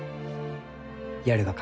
やるがか？